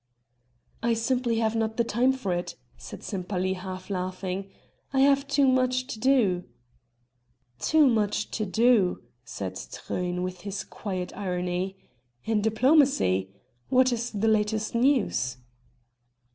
"I simply have not the time for it," said Sempaly half laughing. "I have too much to do." "Too much to do!" said Truyn with his quiet irony.... "In diplomacy? What is the latest news?"